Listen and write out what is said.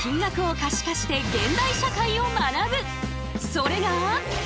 それが。